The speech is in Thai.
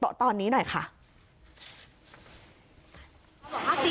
เรารู้จักมันอยู่ดี